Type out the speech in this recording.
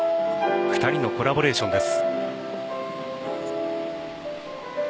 ２人のコラボレーションです。